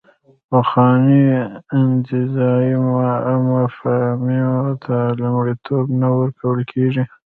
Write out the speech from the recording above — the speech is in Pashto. پخوانیو انتزاعي مفاهیمو ته لومړیتوب نه ورکول کېږي.